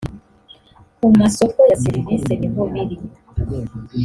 ku masoko ya serivisi niho biri.